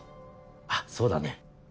あっそうだね。